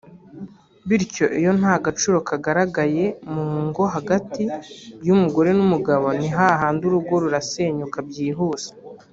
bityo iyo nta gaciro kagaragaye mu ngo hagati y’umugore n’umugabo ni hahandi urugo rurasenyuka byihuse